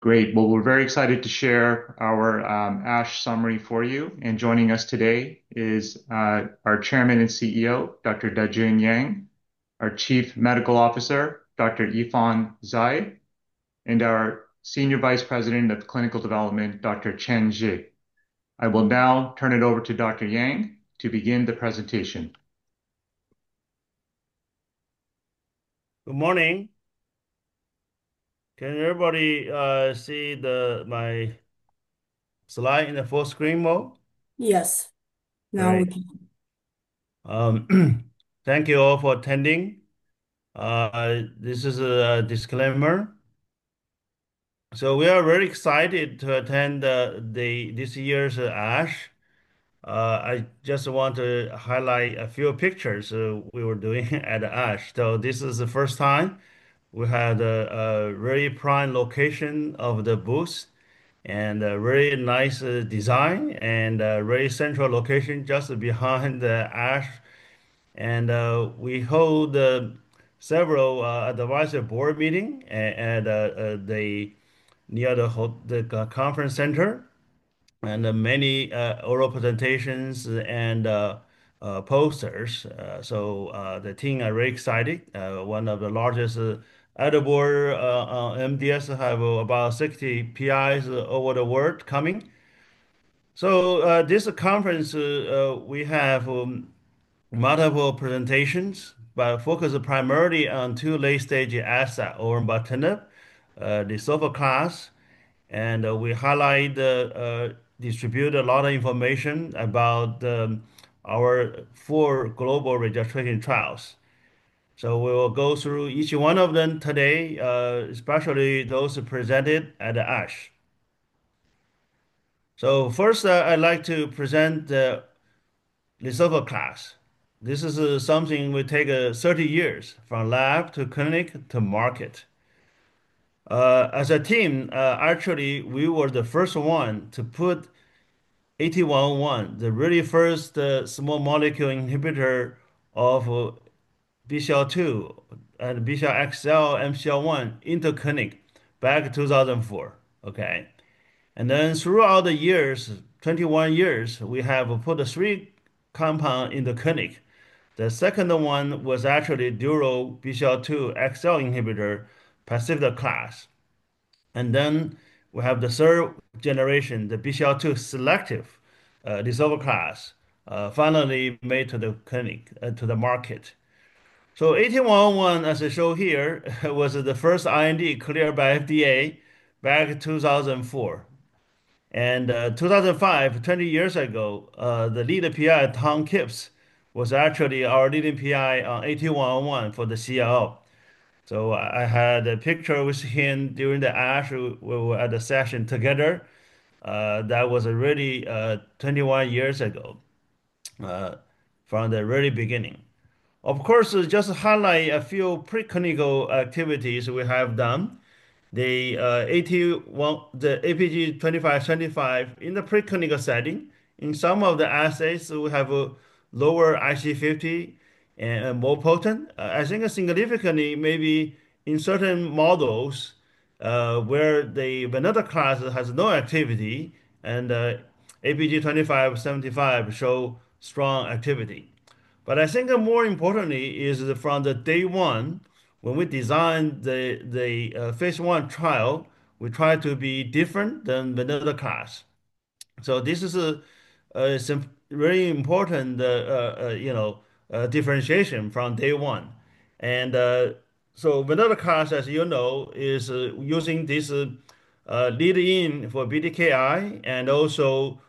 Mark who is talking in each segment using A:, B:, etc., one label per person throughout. A: Great. Well, we're very excited to share our ASH summary for you. Joining us today is our chairman and CEO, Dr. Dajun Yang, our chief medical officer, Dr. Yifan Zhai, and our senior vice president of clinical development, Dr. Zhichao Si. I will now turn it over to Dr. Yang to begin the presentation.
B: Good morning. Can everybody see my slide in the full screen mode?
C: Yes. Now we can.
B: Great. Thank you all for attending. This is a disclaimer. We are very excited to attend this year's ASH. I just want to highlight a few pictures we were doing at ASH. This is the first time we had a really prime location of the booth and a really nice design and a really central location just behind the ASH. We hold several advisory board meeting near the conference center, and many oral presentations and posters. The team are very excited. One of the largest advisory MDS have about 60 PIs over the world coming. This conference, we have multiple presentations, but focus primarily on two late-stage assets or partner, the lisaftoclax. We highlight, distribute a lot of information about our four global registration trials. We will go through each one of them today, especially those presented at ASH. First, I'd like to present the De Sova class. This is something we take 30 years, from lab to clinic to market. As a team, actually, we were the first one to put AT-101, the really first small molecule inhibitor of BCL-2 and BCL-xL, Mcl-1 into clinic back 2004. Okay. Throughout the 21 years, we have put three compound in the clinic. The second one was actually dual BCL-2 BCL-xL inhibitor, Pacifica class. Then we have the third generation, the BCL-2 selective deSova class, finally made to the market. AT-101, as I show here, was the first IND cleared by FDA back 2004. 2005, 20 years ago, the leading PI, Tom Kipps, was actually our leading PI on AT-101 for the CLL. I had a picture with him during the ASH. We were at a session together. That was already 21 years ago, from the very beginning. Of course, just to highlight a few preclinical activities we have done. The APG-2575 in the preclinical setting. In some of the assays, we have a lower IC50 and more potent. I think significantly, maybe in certain models, where the venetoclax has no activity and APG-2575 show strong activity. I think more importantly is from the day one, when we designed the phase I trial, we try to be different than venetoclax. This is a very important differentiation from day one. Venetoclax, as you know, is using this lead in for BTKI and also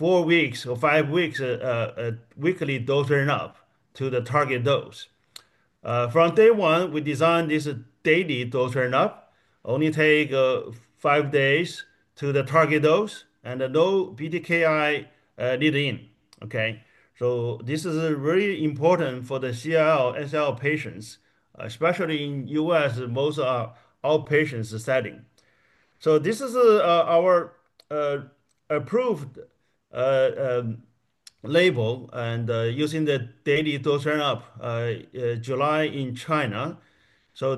B: four weeks or five weeks, a weekly dose turn up to the target dose. From day one, we designed this daily dose turn up, only take five days to the target dose and no BTKI lead in. Okay. This is very important for the CLL/SLL patients, especially in U.S., most are outpatients setting. This is our approved label and using the daily dose turn up, July in China.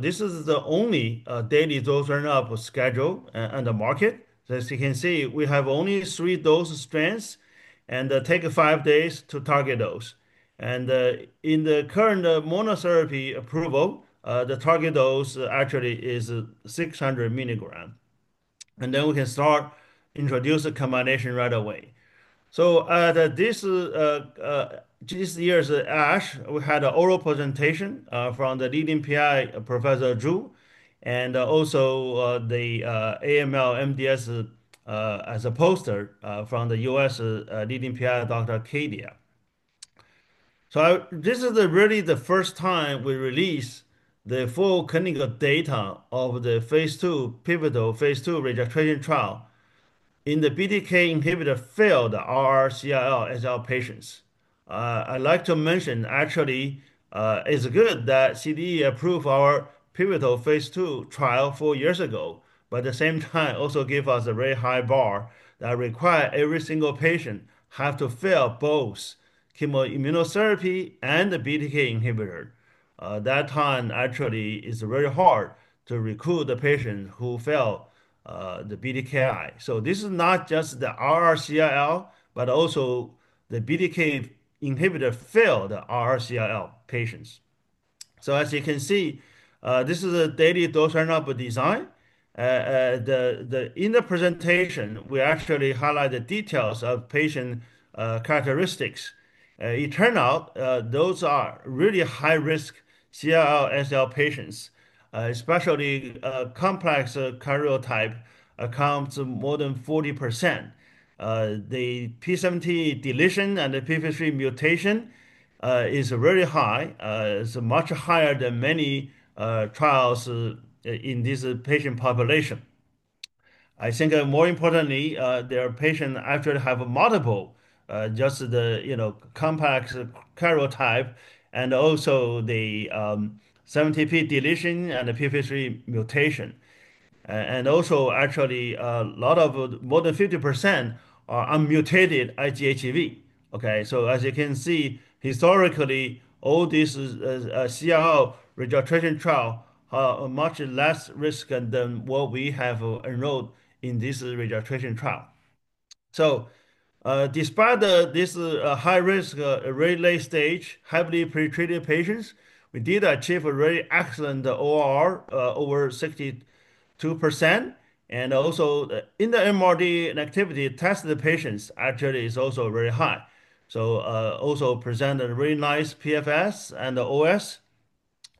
B: This is the only daily dose turn up schedule on the market. As you can see, we have only three dose strengths and take five days to target dose. In the current monotherapy approval, the target dose actually is 600 milligrams. We can start introduce a combination right away. This year's ASH, we had an oral presentation from the leading PI, Professor Zhu, and also the AML/MDS as a poster from the U.S. leading PI, Dr. Kadia. This is really the first time we release the full clinical data of the pivotal phase II registration trial in the BTK inhibitor failed RR/CLL SLL patients. I'd like to mention, actually, it's good that CDE approved our pivotal phase II trial four years ago, at the same time, also gave us a very high bar that require every single patient have to fail both chemo immunotherapy and the BTK inhibitor. That time actually is very hard to recruit the patient who fail the BTKI. This is not just the RR/CLL, but also the BTK inhibitor failed RR/CLL SLL patients. As you can see, this is a daily dose ramp-up design. In the presentation, we actually highlight the details of patient characteristics. It turned out those are really high-risk CLL/SLL patients, especially complex karyotype accounts more than 40%. The 17p deletion and the TP53 mutation is very high. It's much higher than many trials in this patient population. More importantly, their patients actually have multiple, complex karyotypes and also the 17p deletion and the TP53 mutation. Also, actually, more than 50% are unmutated IGHV. As you can see, historically, all these CLL registration trials are much lower risk than what we have enrolled in this registration trial. Despite this high risk, very late stage, heavily pre-treated patients, we did achieve a very excellent OR, over 62%. Also, in the MRD negativity test, the patients actually are also very high. Also presented very nice PFS and OS.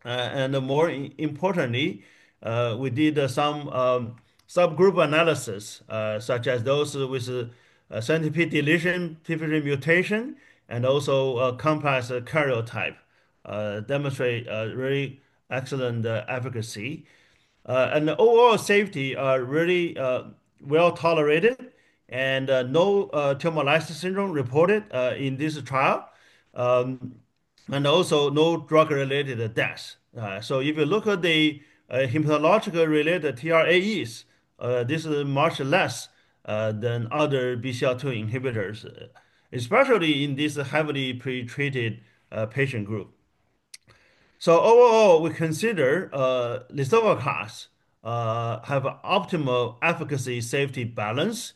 B: More importantly, we did some subgroup analysis, such as those with 17p deletion, TP53 mutation, and also complex karyotype, demonstrated very excellent efficacy. Overall safety was really well tolerated and no tumor lysis syndrome reported in this trial. Also, no drug-related deaths. If you look at the hematological-related TRAEs, this is much less than other BCL-2 inhibitors, especially in this heavily pre-treated patient group. Overall, we consider lisaftoclax to have optimal efficacy-safety balance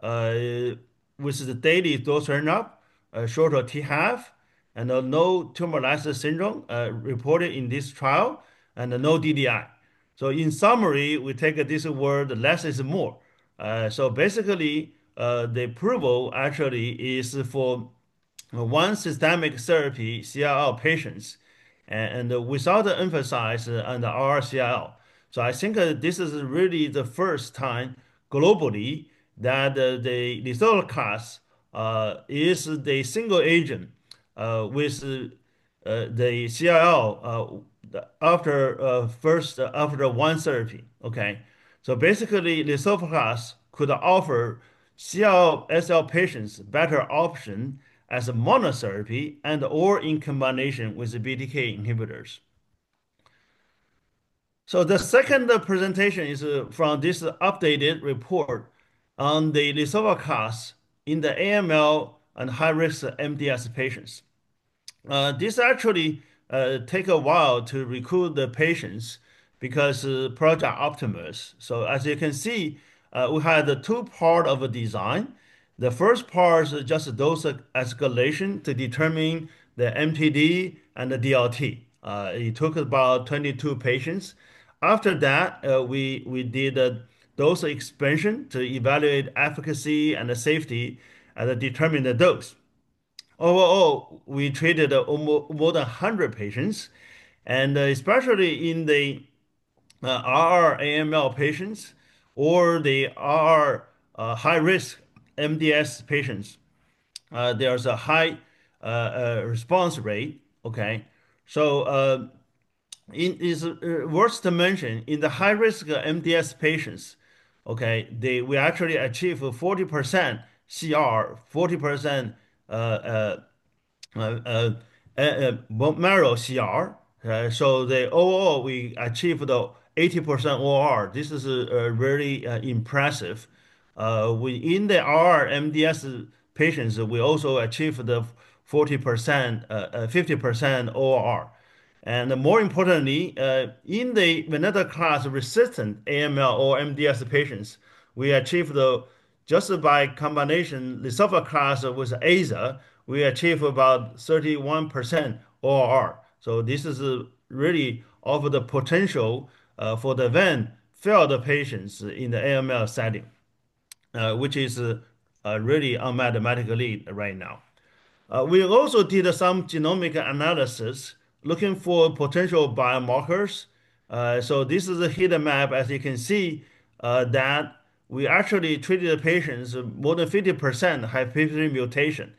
B: with the daily dose ramp-up, shorter T1/2, and no tumor lysis syndrome reported in this trial, and no DDI. In summary, we take this word, less is more. Basically, the approval actually is for one systemic therapy CLL patients, and without the emphasis on the RR/CLL. I think this is really the first time globally that lisaftoclax is the single agent with the CLL after one therapy. Basically, lisaftoclax could offer CLL/SLL patients better option as a monotherapy and/or in combination with the BTK inhibitors. The second presentation is from this updated report on lisaftoclax in the AML and high-risk MDS patients. This actually took a while to recruit the patients because the product is optimal. As you can see, we had the two-part design. The first part is just a dose escalation to determine the MTD and the DLT. It took about 22 patients. After that, we did a dose expansion to evaluate efficacy and safety and determine the dose. Overall, we treated more than 100 patients, and especially in the R-AML patients or the R high-risk MDS patients, there is a high response rate. It is worth to mention in the high-risk MDS patients, we actually achieved a 40% CR, 40% bone marrow CR. Overall, we achieved the 80% OR. This is very impressive. In the R MDS patients, we also achieved the 50% OR. More importantly, in the venetoclax-resistant AML or MDS patients, just by combination lisaftoclax with Aza, we achieved about 31% OR. This really offers the potential for the ven-failed patients in the AML setting, which is really unmet medical need right now. We also did some genomic analysis looking for potential biomarkers. This is a heat map, as you can see, that we actually treated patients, more than 50% have TP53 mutation.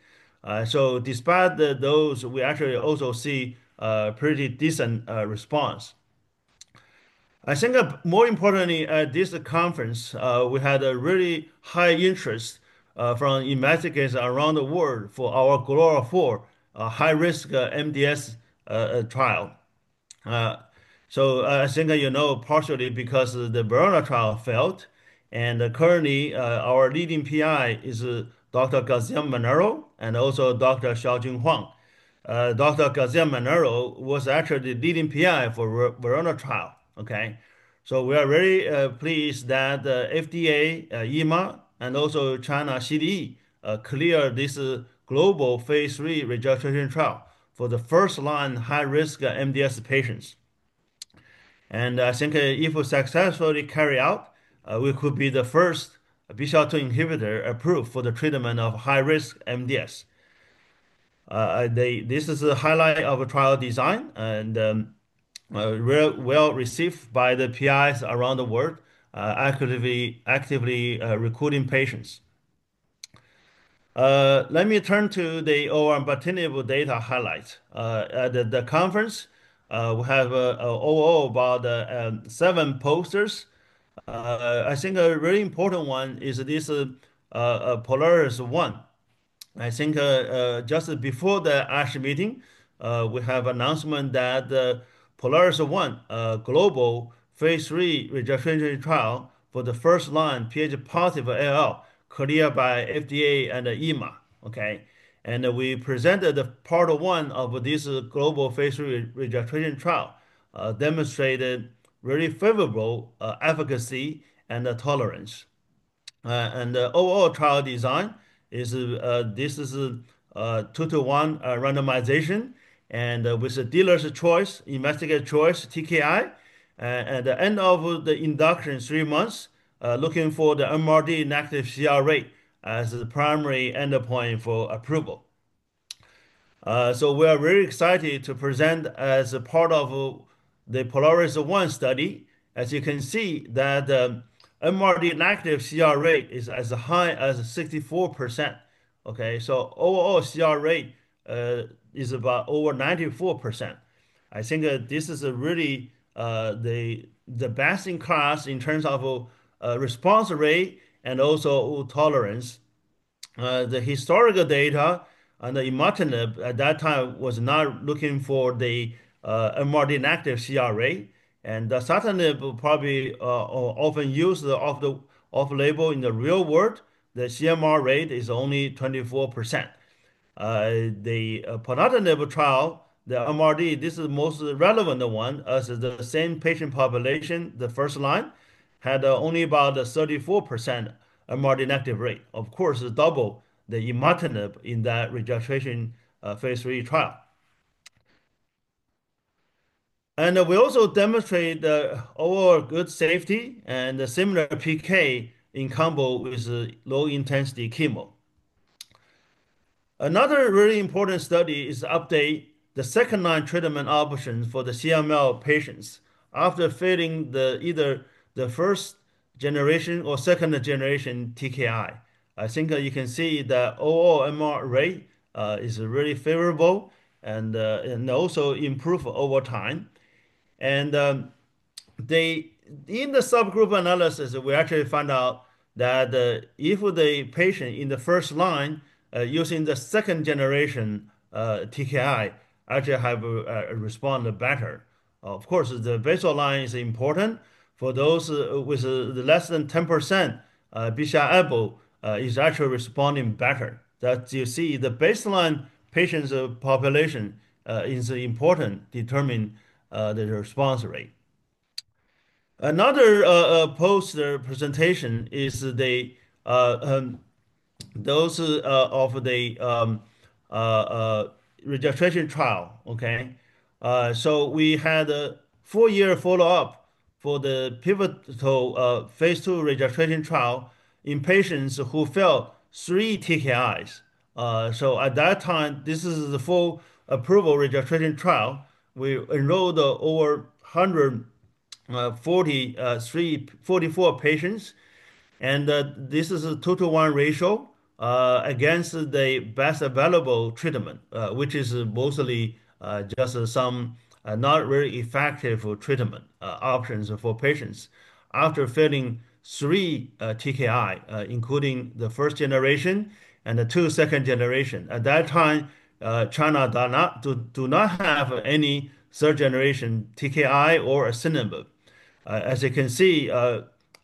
B: Despite those, we actually also saw a pretty decent response. More importantly, at this conference, we had a really high interest from investigators around the world for our GLORIA-4 high-risk MDS trial. I think, you know, partially because the VERONA trial failed, and currently, our leading PI is Dr. Guillermo Garcia-Manero and also Dr. Xiaojun Huang. Dr. Guillermo Garcia-Manero was actually the leading PI for VERONA trial. We are very pleased that the FDA, EMA, and also China CDE, cleared this global phase III registration trial for the first-line high-risk MDS patients. I think if we successfully carry out, we could be the first Bcl-2 inhibitor approved for the treatment of high-risk MDS. This is a highlight of a trial design and well-received by the PIs around the world, actively recruiting patients. Let me turn to the olverembatinib data highlights. At the conference, we have overall about seven posters. I think a really important one is this Polaris-1. Just before the ASH meeting, we have announcement that the Polaris-1 global phase III registration trial for the first-line Ph-positive ALL cleared by FDA and EMA. We presented part one of this global phase III registration trial, demonstrated really favorable efficacy and tolerance. The overall trial design is a 2:1 randomization, with a dealer's choice, investigator choice, TKI. At the end of the induction, three months, looking for the MRD negative CR rate as the primary endpoint for approval. We are very excited to present as a part of the Polaris-1 study. As you can see that MRD negative CR rate is as high as 64%. Overall CR rate is about over 94%. I think that this is really the best in class in terms of response rate and also tolerance. The historical data on the imatinib at that time was not looking for the MRD negative CR rate, and the bosutinib probably often used off-label in the real world, the CMR rate is only 24%. The ponatinib trial, the MRD, this is the most relevant one as the same patient population, the first line had only about 34% MRD negative rate. Of course, it's double the imatinib in that registration phase III trial. We also demonstrate the overall good safety and the similar PK in combo with low-intensity chemo. Another really important study is update the second-line treatment options for the CML patients after failing either the first generation or second-generation TKI. I think you can see the overall MR rate is really favorable and also improve over time. In the subgroup analysis, we actually find out that if the patient in the first line using the second generation TKI actually have responded better. Of course, the baseline is important for those with less than 10%, BCR-ABL is actually responding better. That you see the baseline patients population is important determine the response rate. Another poster presentation is those of the registration trial. We had a four-year follow-up for the pivotal phase II registration trial in patients who failed three TKIs. At that time, this is the full approval registration trial. We enroll over 144 patients, and this is a 2:1 ratio against the best available treatment, which is mostly just some not very effective treatment options for patients. After failing three TKI, including the first generation and the two second generation. At that time, China do not have any third generation TKI or asciminib.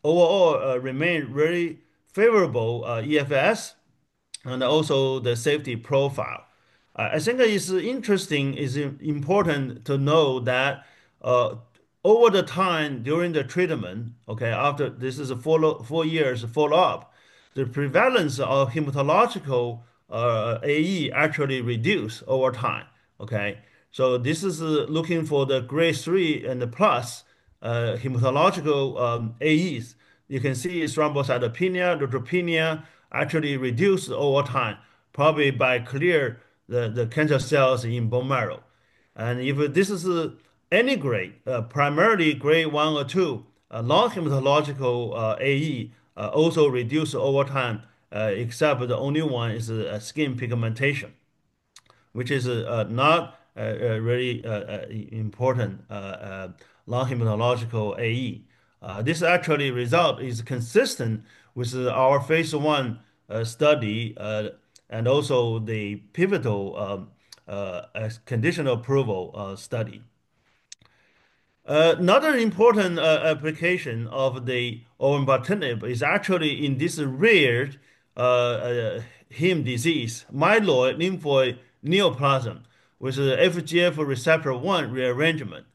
B: Overall remain very favorable EFS and also the safety profile. I think it's interesting, it's important to know that over the time during the treatment, okay, after this is a four years follow-up, the prevalence of hematological AE actually reduce over time. Okay. This is looking for the grade 3 and the plus hematological AEs. You can see thrombocytopenia, neutropenia actually reduce over time, probably by clear the cancer cells in bone marrow. If this is any grade, primarily grade 1 or 2, non-hematological AE also reduce over time, except the only one is skin pigmentation, which is not a really important non-hematological AE. This actually result is consistent with our phase I study, and also the pivotal conditional approval study. Another important application of the olverembatinib is actually in this rare Heme disease, myeloid lymphoid neoplasm with FGFR1 rearrangement.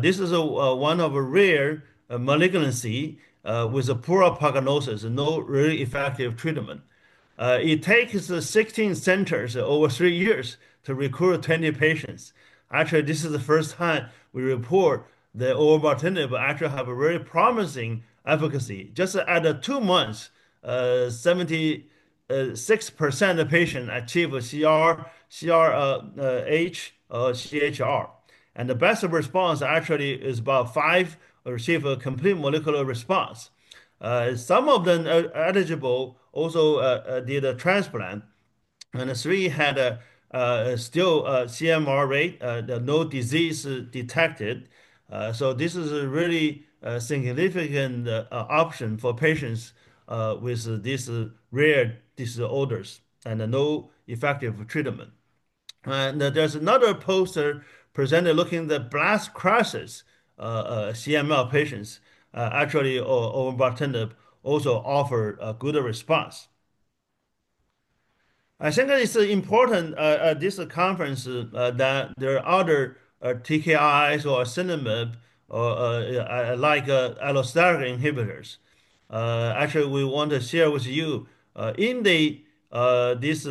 B: This is one of a rare malignancy with a poor prognosis and no really effective treatment. It takes 16 centers over three years to recruit 20 patients. Actually, this is the first time we report that olverembatinib actually have a very promising efficacy. Just at two months, 76% of patients achieve a CR, CRh, or cHR. The best response actually is about five receive a Complete Molecular Response. Some of them eligible also did a transplant, and three had still CMR, no disease detected. This is a really significant option for patients with these rare disorders and no effective treatment. There's another poster presented looking at the blast crisis CML patients. Actually, olverembatinib also offer a good response. I think that it's important at this conference that there are other TKIs or asciminib, like allosteric inhibitors. Actually, we want to share with you, in this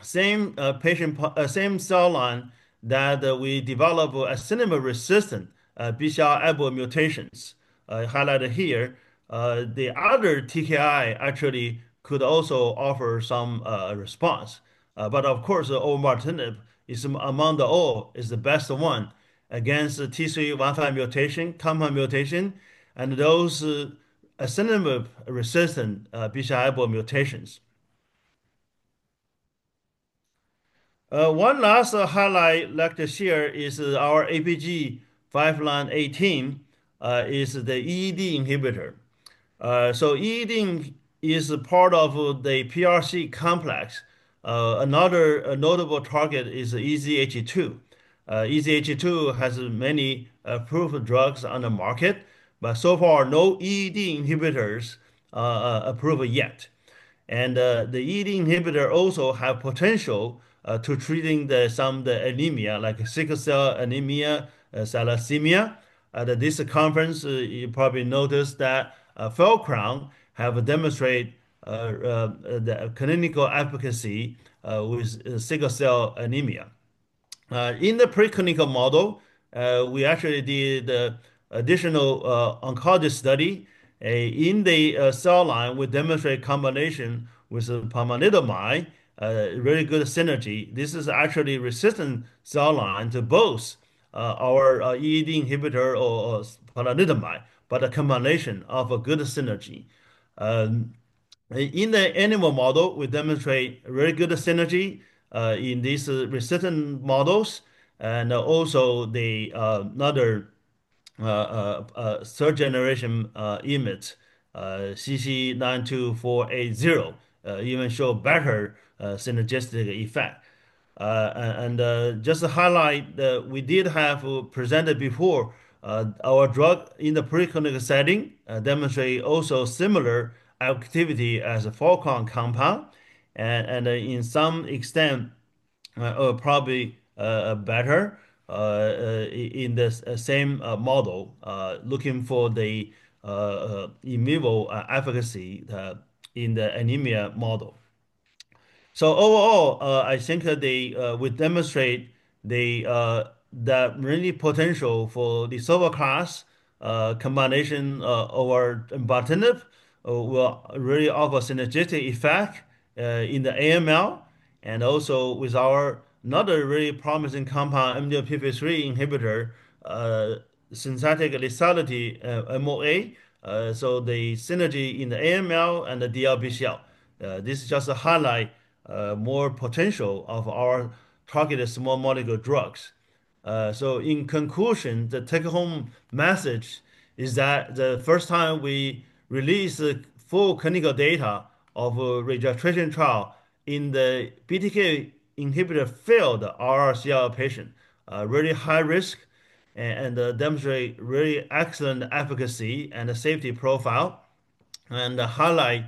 B: same cell line that we develop asciminib-resistant BCR-ABL mutations, highlighted here. The other TKI actually could also offer some response. Of course, olverembatinib, among all, is the best one against the T315I mutation, compound mutation, and those asciminib-resistant BCR-ABL mutations. One last highlight I'd like to share is our APG-5918 is the EED inhibitor. EED is a part of the PRC2 complex. Another notable target is EZH2. EZH2 has many approved drugs on the market, but so far, no EED inhibitors approved yet. The EED inhibitor also have potential to treating some of the anemia, like sickle cell anemia, thalassemia. At this conference, you probably noticed that Fawcraft have demonstrated the clinical efficacy with sickle cell anemia. In the preclinical model, we actually did additional oncology study. In the cell line, we demonstrate combination with ponatinib, a really good synergy. This is actually resistant cell line to both our EED inhibitor or ponatinib, but a combination of a good synergy. In the animal model, we demonstrate very good synergy in these resistant models and also the another third-generation IMiD, CC-92480, even show better synergistic effect. Just to highlight, we did have presented before our drug in the preclinical setting, demonstrating also similar activity as a Fawcraft compound, and in some extent, probably better in the same model, looking for the in vivo efficacy in the anemia model. Overall, I think that we demonstrate that really potential for the SOHO class combination of our olverembatinib will really offer synergistic effect in the AML and also with our another really promising compound, MDM2-p53 inhibitor, synthetic lethality MOA. The synergy in the AML and the DLBCL. This is just to highlight more potential of our targeted small molecule drugs. In conclusion, the take-home message is that the first time we released the full clinical data of a registration trial in the BTK inhibitor-failed RR CLL patient, really high-risk, and demonstrated really excellent efficacy and safety profile, and highlighted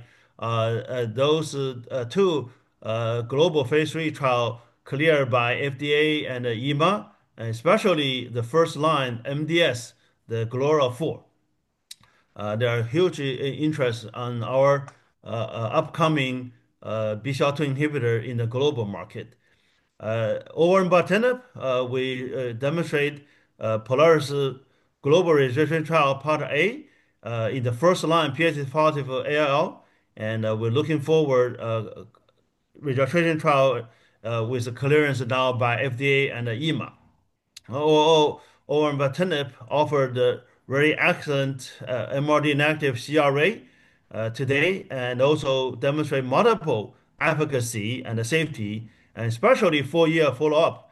B: those two global phase III trials cleared by the FDA and EMA, especially the first-line MDS, GLORIA-4. There is huge interest in our upcoming BCR-ABL2 inhibitor in the global market. Olverembatinib, we demonstrated POLARIS global registrational trial part A in the first-line Ph-positive ALL, and we are looking forward to a registrational trial with the clearance now by the FDA and EMA. Overall, olverembatinib offered a very excellent MRD-negative CRa today and also demonstrated multiple efficacy and safety, and especially 4-year follow-up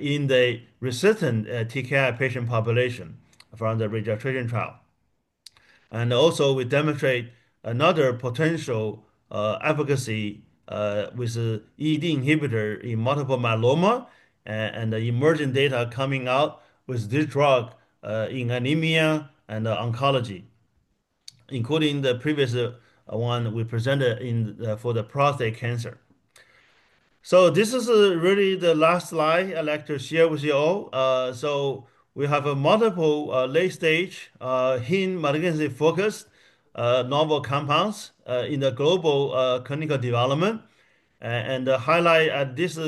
B: in the resistant TKI patient population from the registration trial. Also, we demonstrated another potential efficacy with EED inhibitor in multiple myeloma and emerging data coming out with this drug in anemia and oncology, including the previous one we presented for the prostate cancer. This is really the last slide I would like to share with you all. We have multiple late-stage hematologic malignancy-focused novel compounds in the global clinical development. The highlight at this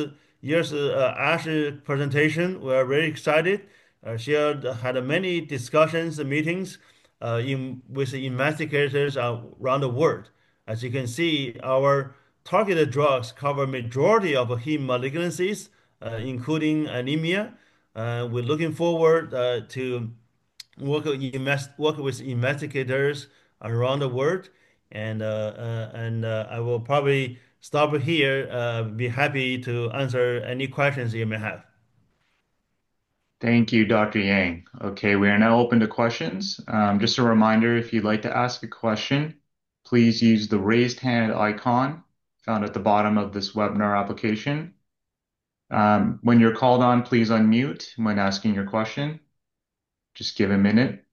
B: year's ASH presentation, we are very excited. We had many discussions and meetings with the investigators around the world. As you can see, our targeted drugs cover majority of hematologic malignancies, including anemia. We are looking forward to working with investigators around the world. I will probably stop here. I will be happy to answer any questions you may have.
A: Thank you, Dr. Yang. We are now open to questions. Just a reminder, if you would like to ask a question, please use the raise hand icon found at the bottom of this webinar application. When you are called on, please unmute when asking your question. Just give a minute.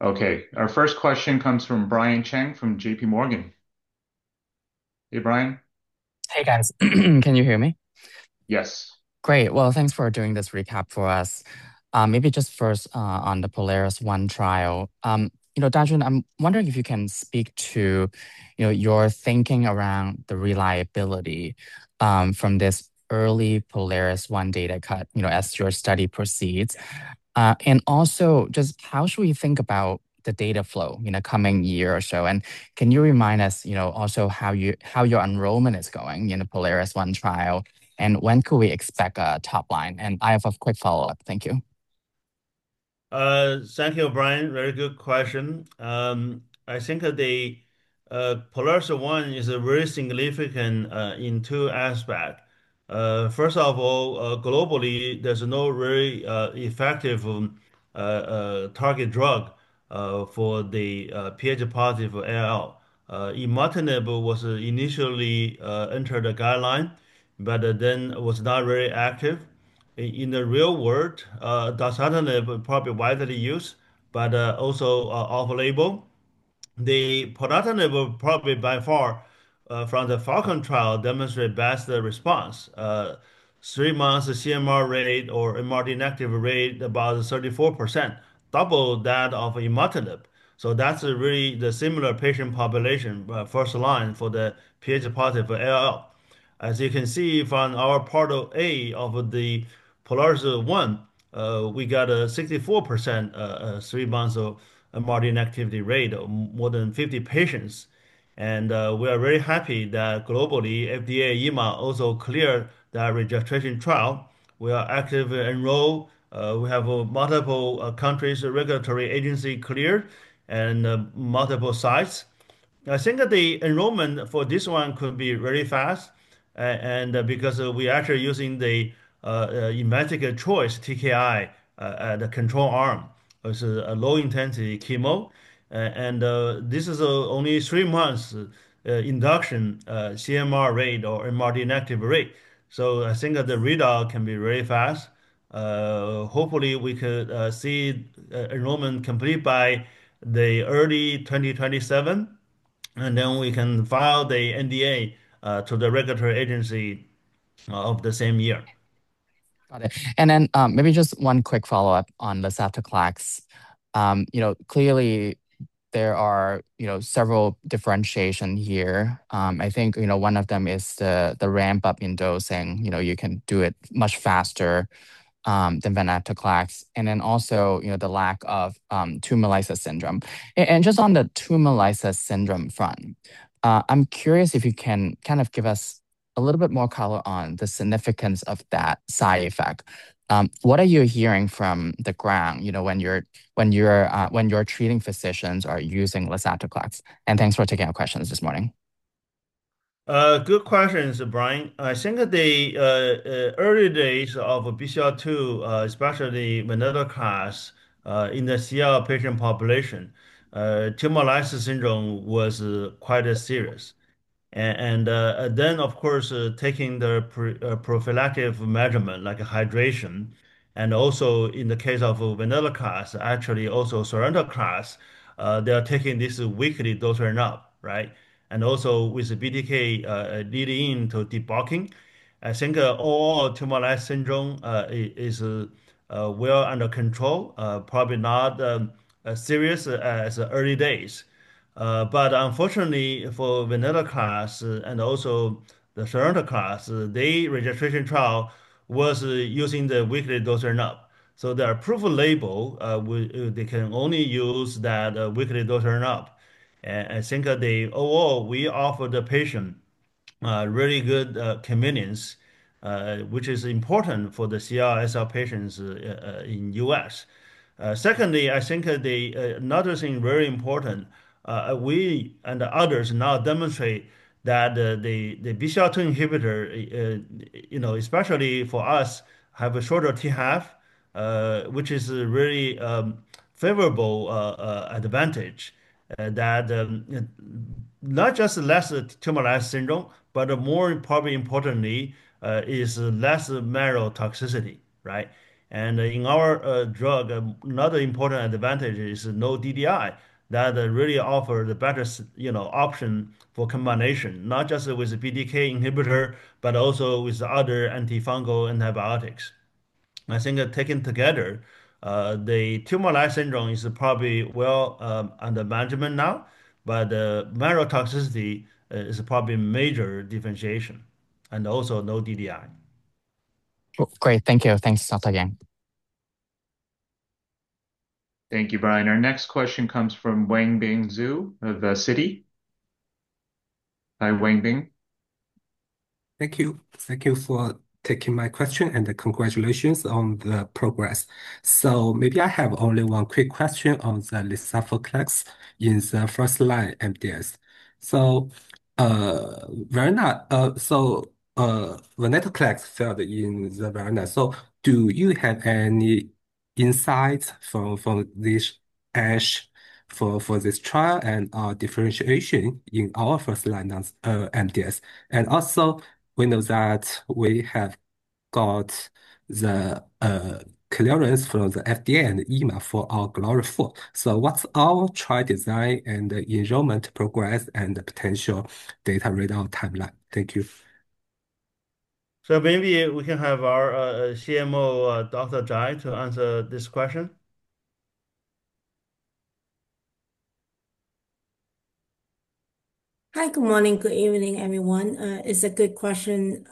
A: Our first question comes from Brian Cheng from JPMorgan. Hey, Brian.
D: Hey, guys. Can you hear me?
A: Yes.
D: Great. Well, thanks for doing this recap for us. Maybe just first on the POLARIS-1 trial. Dajun, I'm wondering if you can speak to your thinking around the reliability from this early POLARIS-1 data cut as your study proceeds. How should we think about the data flow in the coming year or so? Can you remind us also how your enrollment is going in the POLARIS-1 trial, and when could we expect a top line? I have a quick follow-up. Thank you.
B: Thank you, Brian. Very good question. I think the POLARIS-1 is very significant in two aspect. First of all, globally, there's no very effective target drug for the Ph-positive ALL. Imatinib was initially entered the guideline, but then was not very active. In the real world, dasatinib probably widely used, but also off-label. The ponatinib probably by far, from the PhALLCON trial, demonstrate best the response. Three months CMR rate or MRD-negative rate about 34%, double that of imatinib. That's really the similar patient population, first line for the Ph-positive ALL. As you can see from our part A of the POLARIS-1, we got a 64% three months of MRD-inactivity rate of more than 50 patients. We are very happy that globally FDA, EMA also cleared that registration trial. We are actively enroll. We have multiple countries regulatory agency clear and multiple sites. I think that the enrollment for this one could be very fast, and because we're actually using the investigator choice TKI, the control arm. It's a low-intensity chemo. This is only three months induction CMR rate or MRD-inactive rate. I think that the readout can be very fast. Hopefully, we could see enrollment complete by the early 2027, and then we can file the NDA to the regulatory agency of the same year.
D: Got it. Maybe just one quick follow-up on the lisaftoclax. Clearly there are several differentiation here. I think one of them is the ramp-up in dosing. You can do it much faster than venetoclax. The lack of tumor lysis syndrome. On the tumor lysis syndrome front, I'm curious if you can kind of give us a little bit more color on the significance of that side effect. What are you hearing from the ground when your treating physicians are using the lisaftoclax? Thanks for taking our questions this morning.
B: Good questions, Brian. I think that the early days of BCL-2, especially venetoclax in the CR patient population, tumor lysis syndrome was quite serious. Then, of course, taking the prophylactic measurement like hydration, also in the case of venetoclax, actually also sonrotoclax, they are taking this weekly dose turn up, right? Also with the BTK leading to debulking, I think all tumor lysis syndrome is well under control. Probably not as serious as early days. Unfortunately for venetoclax and also the sonrotoclax, the registration trial was using the weekly dose turn up. Their approval label, they can only use that weekly dose turn up. I think that overall we offer the patient really good convenience, which is important for the CR/SR patients in U.S. Secondly, I think another thing very important, we and others now demonstrate that the BCL-2 inhibitor, especially for us, have a shorter T1/2, which is a really favorable advantage. That not just less tumor lysis syndrome, but more probably importantly, is less marrow toxicity, right? In our drug, another important advantage is no DDI. That really offer the better option for combination, not just with the BTK inhibitor, but also with other antifungal antibiotics. I think that taken together, the tumor lysis syndrome is probably well under management now, but the marrow toxicity is a probably major differentiation, also no DDI.
D: Great. Thank you. Thanks, Dr. Yang.
A: Thank you, Brian. Our next question comes from Wangbing Zhu of Citi. Hi, Wangbing.
E: Thank you. Thank you for taking my question, and congratulations on the progress. Maybe I have only one quick question on the lisaftoclax in the first-line MDS. venetoclax failed in the VERONA. Do you have any insights for this ASH, for this trial and differentiation in our first-line MDS? We know that we have got the clearance from the FDA and EMA for our GLORIA-4. What's our trial design and enrollment progress and the potential data readout timeline? Thank you.
B: Maybe we can have our CMO, Dr. Zhai, to answer this question.
A: Hi. Good morning, good evening, everyone. It's a good question.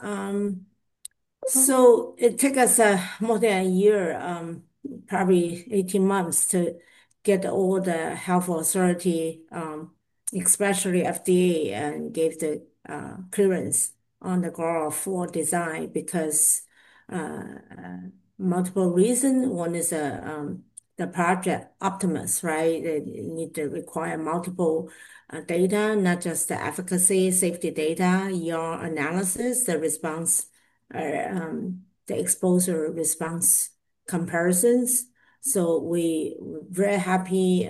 A: It took us more than 1 year, probably 18 months, to get all the health authority, especially FDA, and gave the clearance on the GLORIA-4 design because multiple reason. One is the Project Optimus, right? You need to require multiple data, not just the efficacy, safety data, your analysis, the exposure response comparisons. We're very happy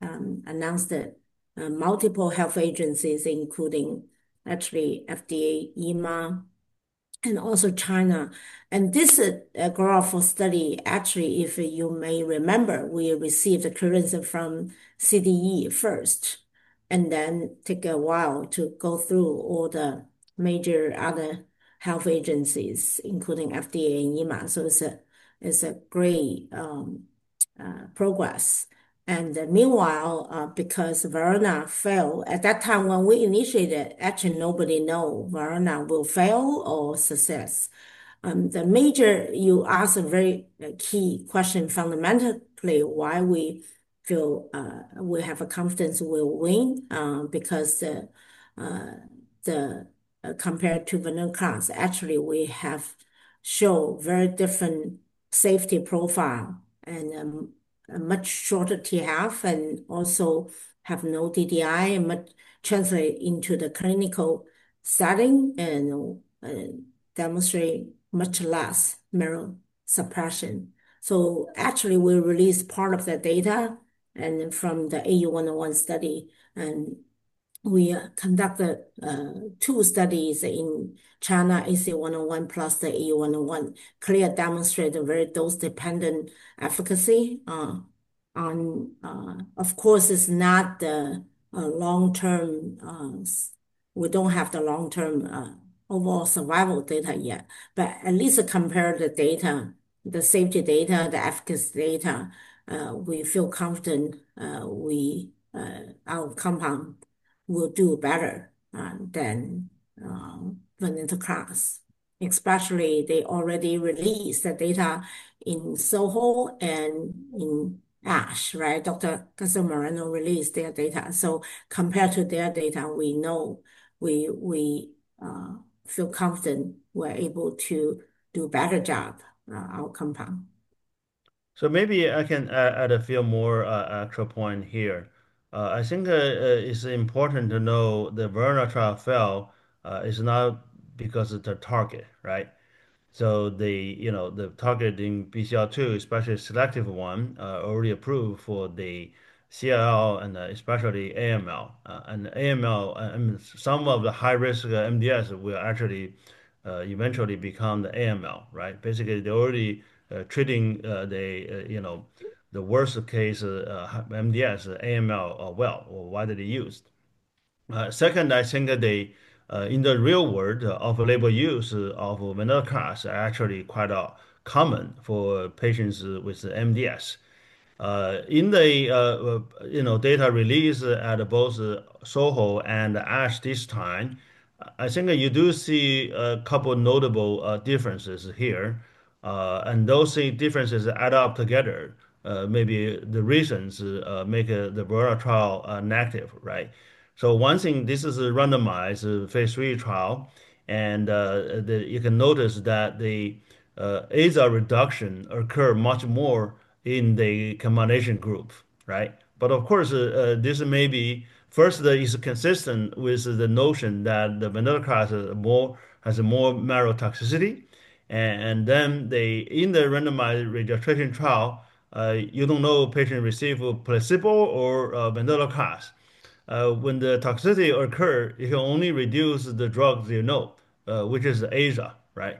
A: announce that multiple health agencies, including actually FDA, EMA, and also China. This GLORIA-4 study, actually, if you may remember, we received clearance from CDE first, and then take a while to go through all the major other health agencies, including FDA and EMA. It's a great progress. Meanwhile, because VERONA failed, at that time when we initiated, actually nobody know VERONA will fail or success.
C: You ask a very key question, fundamentally, why we feel we have a confidence we'll win, because compared to venetoclax, actually, we have show very different safety profile and a much shorter T1/2 and also have no DDI, and much translate into the clinical setting and demonstrate much less marrow suppression. Actually, we released part of the data and then from the AU101 study, we conducted two studies in China, AC101 plus the AU101, clear demonstrate a very dose-dependent efficacy. Of course, it's not the long-term. We don't have the long-term overall survival data yet. At least compare the data, the safety data, the efficacy data, we feel confident our compound will do better than venetoclax. Especially, they already released the data in SOHO and in ASH, right? Dr. released their data. Compared to their data, we feel confident we're able to do better job, our compound.
B: Maybe I can add a few more extra points here. I think it's important to know the VERONA trial failed is not because of the target, right? The target in BCL-2, especially selective one, already approved for the CLL and especially AML. AML, I mean, some of the high-risk MDS will actually eventually become the AML, right? Basically, they're already treating the worst case MDS, AML well, or widely used. Second, I think that in the real world, off-label use of venetoclax are actually quite common for patients with MDS. In the data released at both SOHO and ASH this time, I think you do see a couple notable differences here. Those differences add up together, maybe the reasons make the VERONA trial negative, right? One thing, this is a randomized phase III trial, and you can notice that the Aza reduction occurs much more in the combination group, right? Of course, this may be first that is consistent with the notion that the venetoclax has more marrow toxicity. In the randomized registration trial, you don't know patient receive placebo or venetoclax. When the toxicity occurs, you can only reduce the drugs you know, which is Aza, right?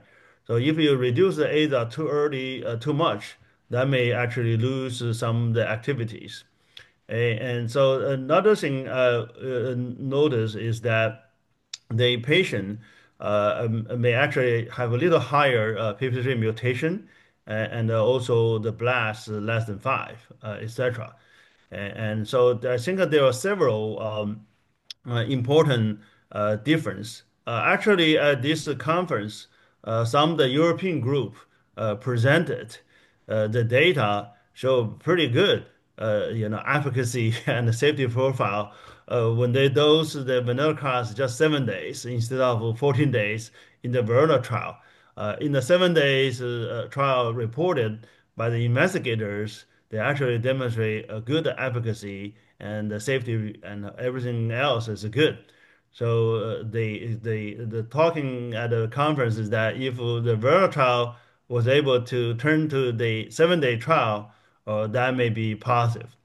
B: If you reduce the Aza too early, too much, that may actually lose some of the activities. Another thing noticed is that the patient may actually have a little higher TP53 mutation, and also the blasts less than 5, et cetera. I think that there are several important differences. Actually, at this conference some of the European group presented the data showed pretty good efficacy and safety profile when they dose the venetoclax just seven days instead of 14 days in the VERONA trial. In the seven-day trial reported by the investigators, they actually demonstrated good efficacy and safety, and everything else is good. The talking at the conference is that if the VERONA trial was able to turn to the seven-day trial, that may be positive.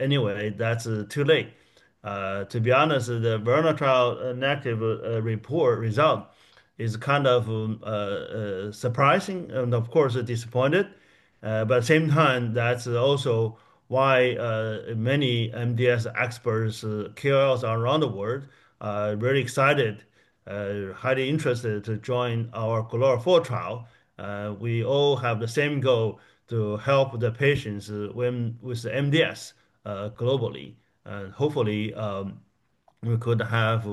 B: Anyway, that's too late. To be honest, the VERONA trial negative result is kind of surprising and, of course, disappointing. At the same time, that's also why many MDS experts, KOLs around the world are very excited, highly interested to join our GLORIA-4 trial. We all have the same goal, to help the patients with MDS globally. Hopefully, we could have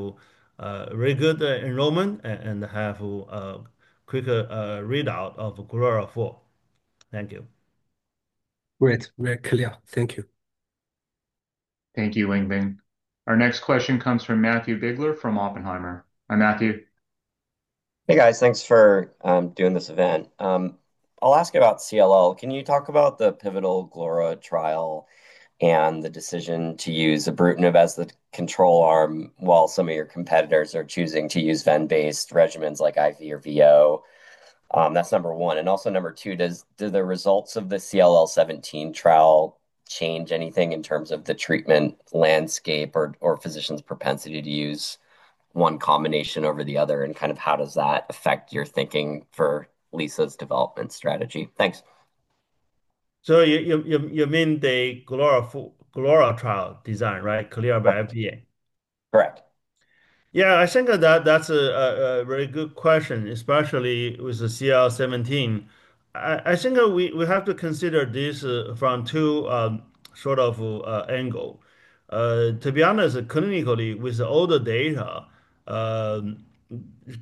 B: a very good enrollment and have a quicker readout of GLORIA-4. Thank you.
E: Great. Very clear. Thank you.
A: Thank you, Wangbing. Our next question comes from Matthew Biegler from Oppenheimer. Hi, Matthew.
F: Hey, guys. Thanks for doing this event. I'll ask about CLL. Can you talk about the pivotal GLORIA trial and the decision to use ibrutinib as the control arm while some of your competitors are choosing to use ven-based regimens like IV or VO? That's number one. Also number two, do the results of the CLL17 trial change anything in terms of the treatment landscape or physician's propensity to use one combination over the other, and how does that affect your thinking for lisa's development strategy? Thanks.
B: You mean the GLORIA trial design, right? Clear by FDA.
F: Correct.
B: I think that's a very good question, especially with the CLL17. I think that we have to consider this from two sort of angle. To be honest, clinically, with all the data,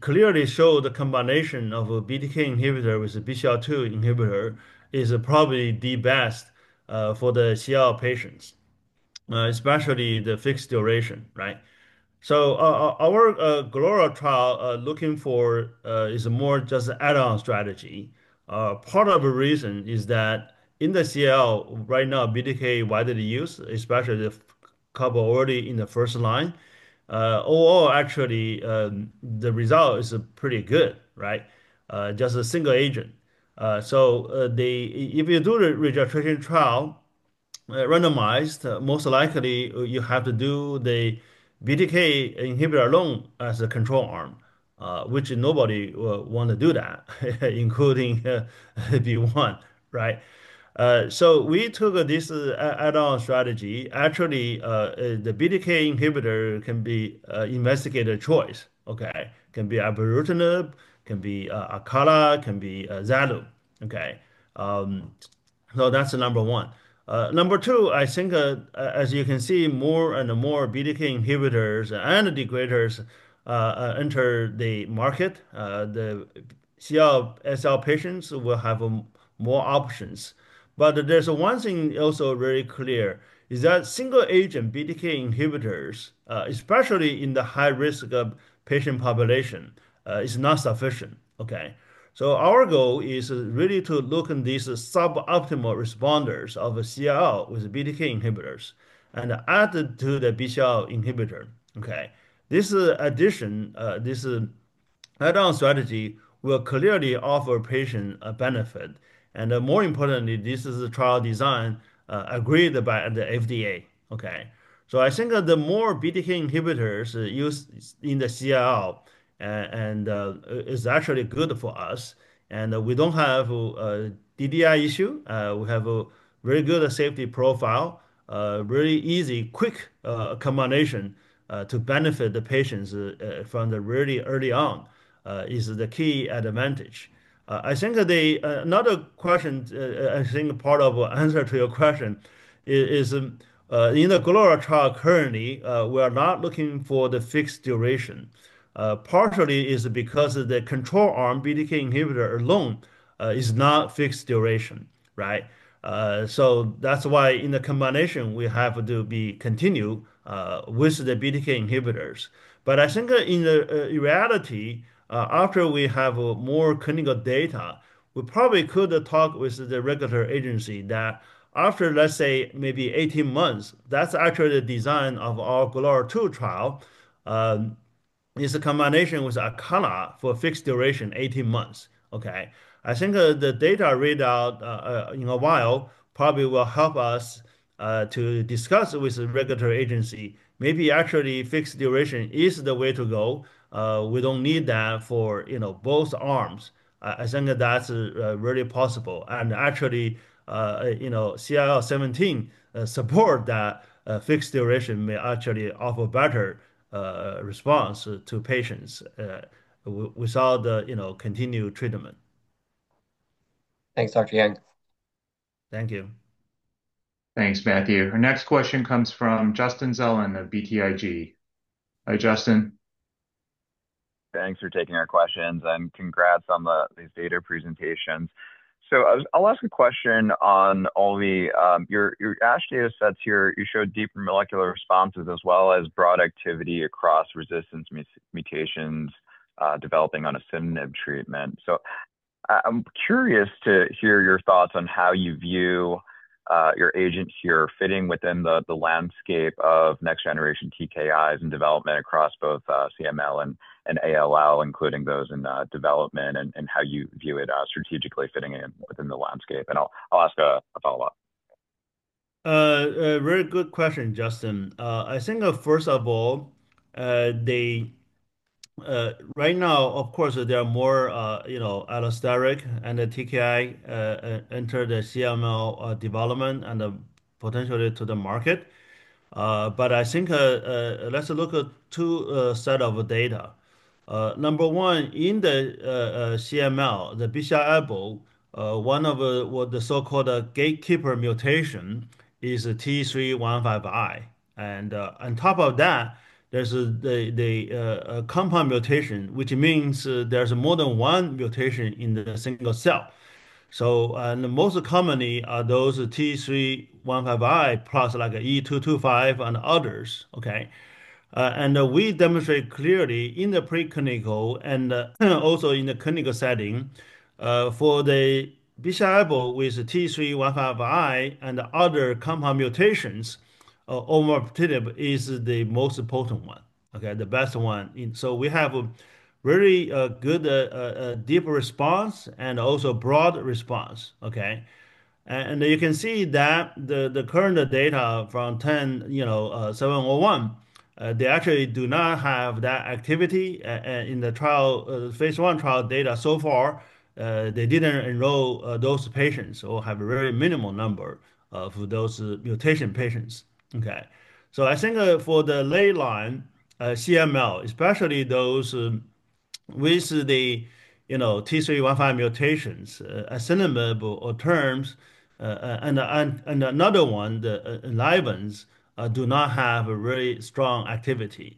B: clearly show the combination of a BTK inhibitor with a BCL-2 inhibitor is probably the best for the CLL patients, especially the fixed duration, right? Our GLORIA trial looking for is more just add-on strategy. Part of the reason is that in the CLL right now, BTK widely used, especially the combo already in the first line. All actually the result is pretty good, right? Just a single agent. If you do the registration trial randomized, most likely you have to do the BTK inhibitor alone as a control arm, which nobody want to do that, including BeiGene, right? We took this add-on strategy. Actually, the BTK inhibitor can be investigator choice. Okay? Can be ibrutinib, can be acalabrutinib, can be zanubrutinib. Okay? That's number one. Number two, I think as you can see, more and more BTK inhibitors and degraders enter the market. The CLL patients will have more options. There's one thing also very clear is that single agent BTK inhibitors, especially in the high risk of patient population, is not sufficient, okay? Our goal is really to look in these suboptimal responders of a CLL with BTK inhibitors and add it to the BCL-2 inhibitor. Okay? This add-on strategy will clearly offer patient a benefit, and more importantly, this is a trial design agreed by the FDA. Okay? I think that the more BTK inhibitors used in the CLL is actually good for us, and we don't have DDI issue. We have a very good safety profile, really easy, quick combination to benefit the patients from the really early on is the key advantage. I think part of answer to your question is in the GLORIA trial currently, we are not looking for the fixed duration. Partially is because of the control arm BTK inhibitor alone is not fixed duration, right? That's why in the combination, we have to be continue with the BTK inhibitors. I think in reality, after we have more clinical data, we probably could talk with the regulatory agency that after, let's say maybe 18 months, that's actually the design of our GLORIA-2 trial, is a combination with acalabrutinib for fixed duration, 18 months. Okay? I think the data readout in a while probably will help us to discuss with the regulatory agency. Maybe actually fixed duration is the way to go. We don't need that for both arms. I think that's really possible. Actually, CLL17 support that fixed duration may actually offer better response to patients without continued treatment.
F: Thanks, Dr. Yang.
B: Thank you.
A: Thanks, Matthew. Our next question comes from Justin Zelin of BTIG. Hi, Justin.
G: Thanks for taking our questions, and congrats on these data presentations. I'll ask a question on all your ASH data sets here, you showed deep molecular responses as well as broad activity across resistance mutations developing on asciminib treatment. I'm curious to hear your thoughts on how you view your agent here fitting within the landscape of next-generation TKIs and development across both CML and ALL, including those in development, and how you view it strategically fitting in within the landscape. I'll ask a follow-up.
B: A very good question, Justin. I think first of all, right now, of course, there are more allosteric and the TKI enter the CML development and potentially to the market. I think let's look at two set of data. Number one, in the CML, the BCR-ABL, one of what the so-called gatekeeper mutation is T315I. On top of that, there's the compound mutation, which means there's more than one mutation in the single cell. The most commonly are those T315I plus like E255 and others. Okay? We demonstrate clearly in the preclinical and also in the clinical setting for the BCR-ABL with T315I and other compound mutations, olverembatinib is the most potent one. Okay? The best one. We have a really good deep response and also broad response. Okay? You can see that the current data from 10-701, they actually do not have that activity in the phase I trial data so far. They didn't enroll those patients or have a very minimal number of those mutation patients. Okay? I think for the lay line CML, especially those with the T315I mutations, asciminib or terms, and another one, the Enliven's, do not have a very strong activity.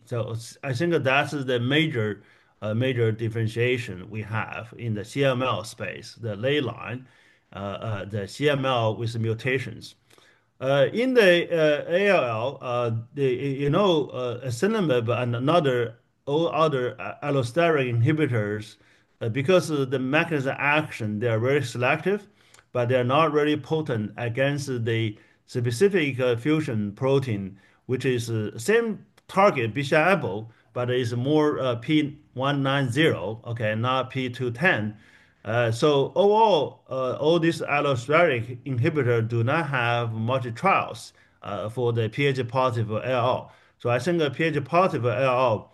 B: I think that is the major differentiation we have in the CML space, the lay line, the CML with mutations. In the ALL, asciminib and all other allosteric inhibitors because of the mechanism action, they are very selective, but they're not very potent against the specific fusion protein, which is same target, BCR-ABL, but is more P190, okay, not P210. Overall, all these allosteric inhibitor do not have much trials for the Ph-positive ALL. I think the Ph-positive ALL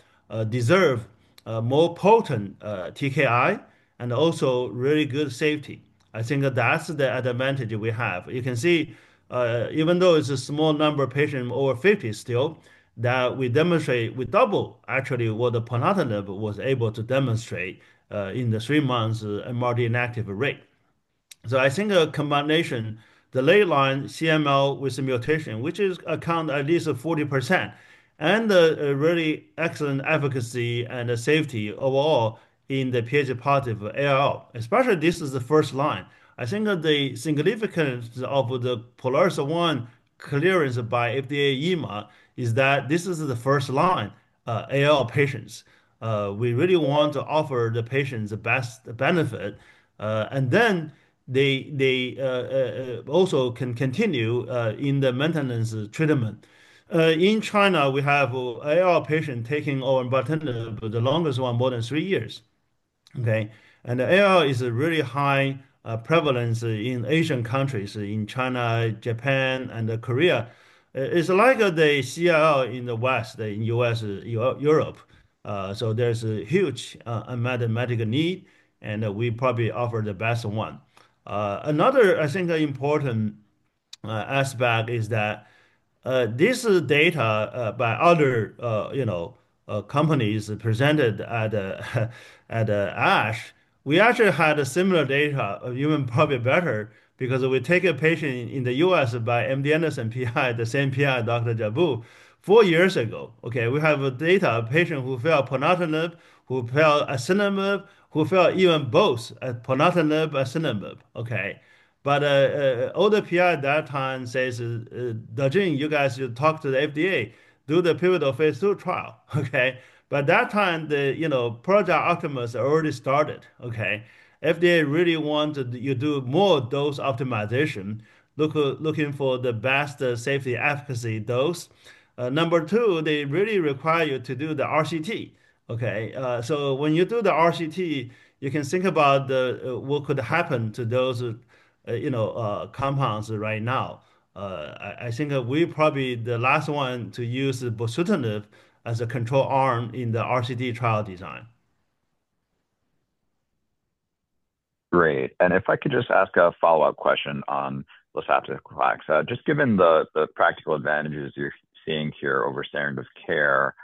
B: deserve a more potent TKI and also really good safety. I think that's the advantage we have. You can see even though it's a small number of patient, over 50 still, that we demonstrate we double actually what the ponatinib was able to demonstrate in the three months MR rate. I think a combination, the lay line CML with the mutation, which is account at least 40%, and a really excellent efficacy and safety overall in the Ph-positive ALL, especially this is the first line. I think the significance of the POLARIS-1 clearance by FDA EMA is that this is the first line ALL patients. We really want to offer the patients the best benefit, and then they also can continue in the maintenance treatment. In China, we have ALL patient taking our the longest one more than three years. ALL is a really high prevalence in Asian countries, in China, Japan, and Korea. It's like the CLL in the West, in U.S., Europe. There's a huge unmet medical need, and we probably offer the best one. Another I think important aspect is that this data by other companies presented at ASH, we actually had a similar data of even probably better because we take a patient in the U.S. by MD Anderson PI, the same PI Dr. Jabbour, four years ago. We have data of patient who fail ponatinib, who fail asciminib, who fail even both ponatinib, asciminib. All the PI at that time says, "Dajun, you guys should talk to the FDA. Do the pivotal phase II trial." By that time Project Optimus already started. Great. FDA really want you do more dose optimization, looking for the best safety efficacy dose. Number two, they really require you to do the RCT. When you do the RCT, you can think about what could happen to those compounds right now. I think we're probably the last one to use bosutinib as a control arm in the RCT trial design.
G: Great. If I could just ask a follow-up question on lisaftoclax. Just given the practical advantages you're seeing here over standard of care.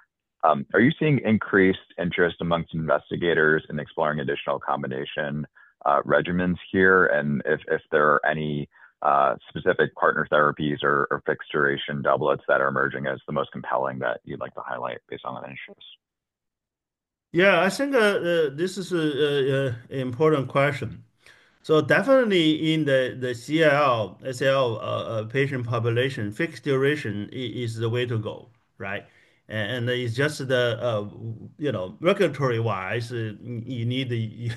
G: Are you seeing increased interest amongst investigators in exploring additional combination regimens here? If there are any specific partner therapies or fixed-duration doublets that are emerging as the most compelling that you'd like to highlight based on that interest?
B: Yeah, I think this is an important question. Definitely in the CLL/SLL patient population, fixed duration is the way to go, right? It's just regulatory-wise, you need the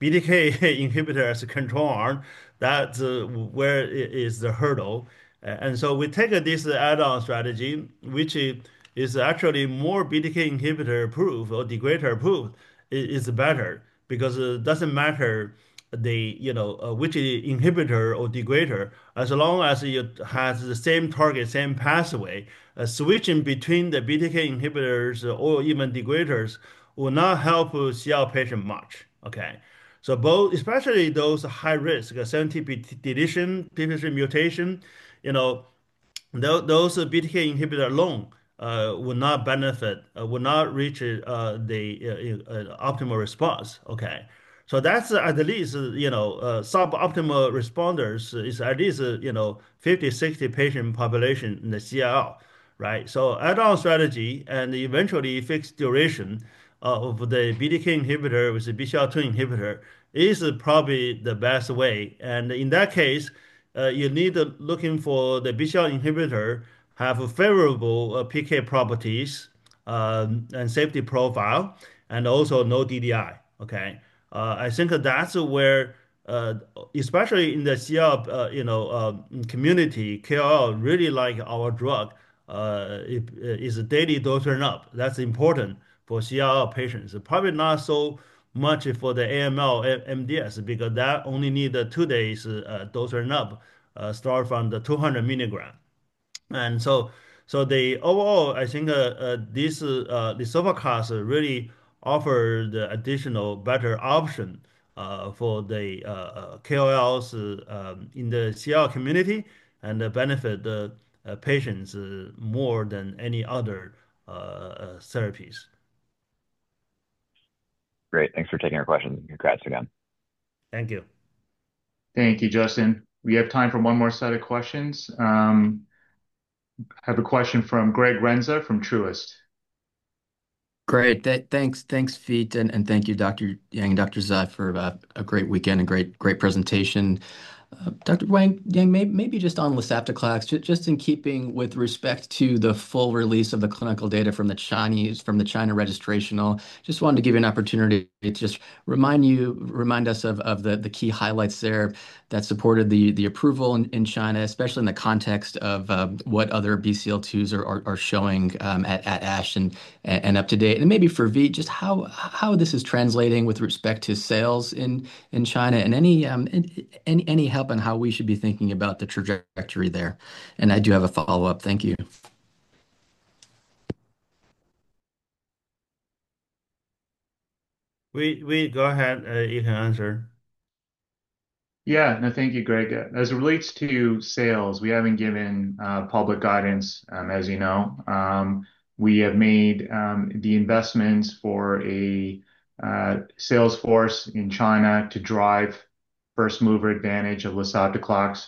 B: BTK inhibitor as a control arm. That's where is the hurdle. We take this add-on strategy, which is actually more BTK inhibitor-approved or degrader-approved, is better. It doesn't matter which inhibitor or degrader, as long as it has the same target, same pathway. Switching between the BTK inhibitors or even degraders will not help the CLL patient much. Especially those high-risk, 17p deletion, TP53 mutation, those BTK inhibitor alone will not benefit, will not reach the optimal response. That's at least suboptimal responders is at least 50-60 patient population in the CLL, right? Add-on strategy and eventually fixed duration of the BTK inhibitor with the BCL-2 inhibitor is probably the best way. In that case, you need to looking for the BCL inhibitor have a favorable PK properties, and safety profile, and also no DDI, okay? I think that's where, especially in the CLL community, KOL really like our drug. It is a daily dose ramp-up. That's important for CLL patients. Probably not so much for the AML/MDS, because that only need a two days dose ramp-up, start from the 200 milligrams. Overall, I think this, the CLL class really offer the additional better option for the CLLs in the CLL community and benefit the patients more than any other therapies.
G: Great. Thanks for taking our questions, congrats again.
B: Thank you.
A: Thank you, Justin. We have time for one more set of questions. I have a question from Greg Renza from Truist.
H: Great. Thanks, Yifan. Thank you, Dr. Yang and Dr. Zhai, for a great weekend and great presentation. Dr. Yang, maybe just on lisaftoclax, just in keeping with respect to the full release of the clinical data from the China registrational, just wanted to give you an opportunity to just remind us of the key highlights there that supported the approval in China, especially in the context of what other BCL-2s are showing at ASH and up to date. Maybe for Yif, just how this is translating with respect to sales in China and any help on how we should be thinking about the trajectory there. I do have a follow-up. Thank you.
B: Yif, go ahead. You can answer.
A: Yeah. No, thank you, Greg. As it relates to sales, we haven't given public guidance, as you know. We have made the investments for a sales force in China to drive first-mover advantage of lisaftoclax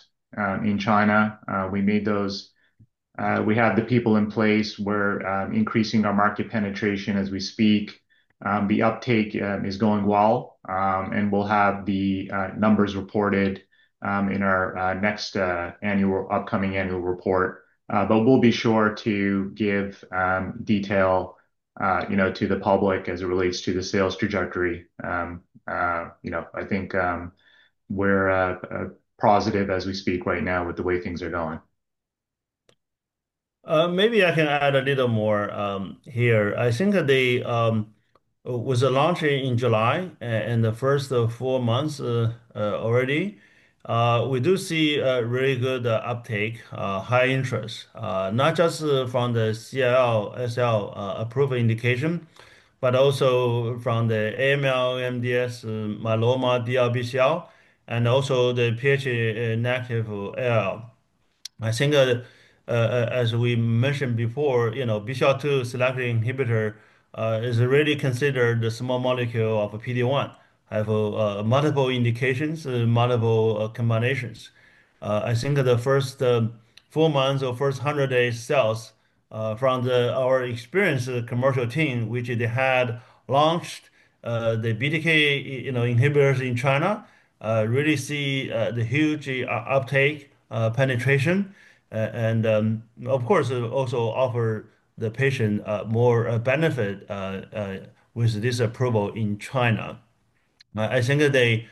A: in China. We have the people in place. We're increasing our market penetration as we speak. The uptake is going well. We'll have the numbers reported in our next upcoming annual report. We'll be sure to give detail to the public as it relates to the sales trajectory. I think we're positive as we speak right now with the way things are going.
B: Maybe I can add a little more here. I think with the launch in July, in the first four months already, we do see a really good uptake, high interest, not just from the CLL/SLL approved indication, but also from the AML, MDS, myeloma, DLBCL, and also the Ph-negative ALL. I think as we mentioned before, BCL-2 selective inhibitor is really considered the small molecule of a PD-1, have multiple indications, multiple combinations. I think the first four months or first 100 days sales from our experience commercial team, which they had launched the BTK inhibitors in China, really see the huge uptake, penetration. Of course, also offer the patient more benefit with this approval in China. I think that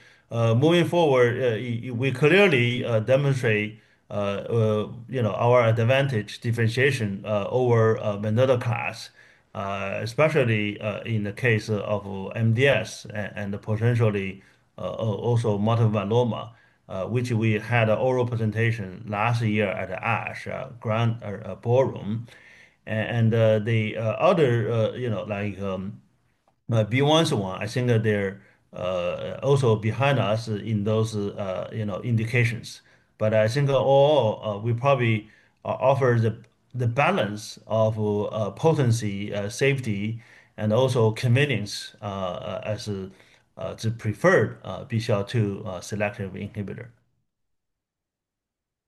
B: moving forward, we clearly demonstrate our advantage differentiation over another class, especially in the case of MDS and potentially also multiple myeloma, which we had an oral presentation last year at ASH. BeiGene is the one. I think that they're also behind us in those indications. Overall, I think we probably offer the balance of potency, safety, and also convenience as the preferred BCL-2 selective inhibitor.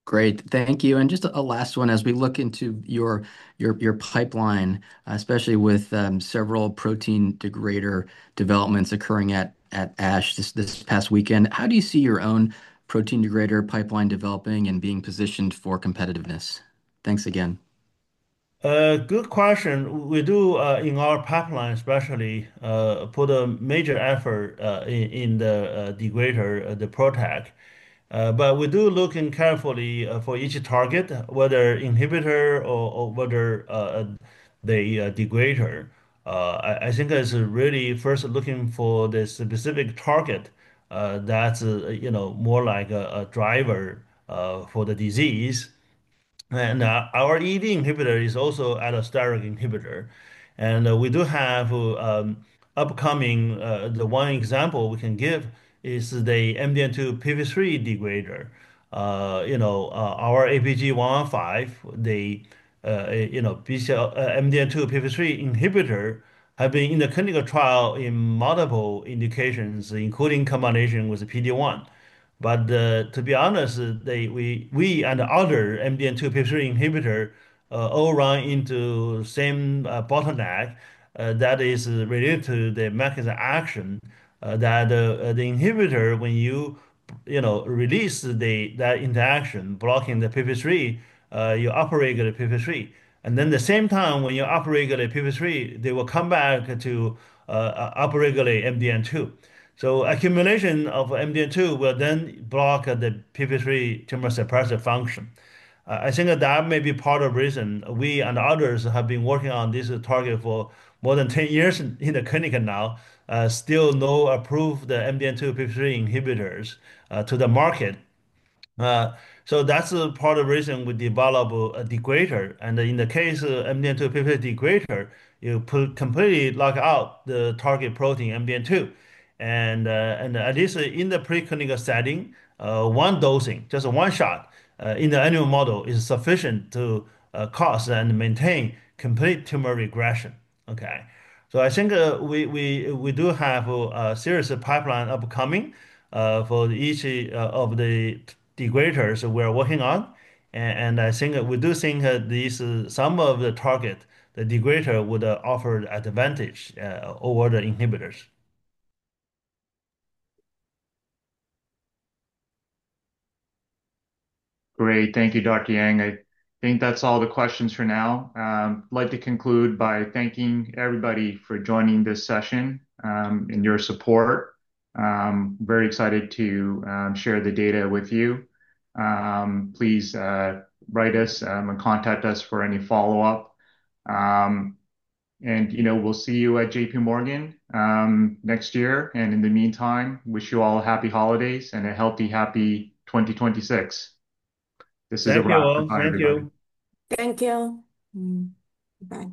H: Great. Thank you. Just a last one, as we look into your pipeline, especially with several protein degrader developments occurring at ASH this past weekend, how do you see your own protein degrader pipeline developing and being positioned for competitiveness? Thanks again.
B: Good question. We do in our pipeline especially, put a major effort in the degrader, the PROTAC. We do look in carefully for each target, whether inhibitor or whether the degrader. I think it's really first looking for the specific target that's more like a driver for the disease. Our EED inhibitor is also allosteric inhibitor, and we do have upcoming, the one example we can give is the MDM2-p53 degrader. Our APG-115, the MDM2-p53 inhibitor have been in the clinical trial in multiple indications, including combination with PD-1. To be honest, we and other MDM2-p53 inhibitor all run into same bottleneck that is related to the mechanism action that the inhibitor, when you release that interaction blocking the p53, you upregulate p53. Then the same time when you upregulate p53, they will come back to upregulate MDM2. Accumulation of MDM2 will then block the p53 tumor suppressive function. I think that may be part of reason we and others have been working on this target for more than 10 years in the clinic now, still no approved MDM2-p53 inhibitors to the market. That's part of the reason we develop a degrader, and in the case of MDM2-p53 degrader, you completely lock out the target protein MDM2. At least in the preclinical setting, one dosing, just one shot in the animal model is sufficient to cause and maintain complete tumor regression. Okay. I think we do have a serious pipeline upcoming for each of the degraders we're working on. We do think these, some of the target, the degrader would offer advantage over the inhibitors.
A: Great. Thank you, Dr. Yang. I think that's all the questions for now. I'd like to conclude by thanking everybody for joining this session and your support. Very excited to share the data with you. Please write us and contact us for any follow-up. We'll see you at JPMorgan next year, and in the meantime, wish you all happy holidays and a healthy happy 2026. This is a wrap. Bye, everybody.
B: Thank you all. Thank you.
C: Thank you. Bye.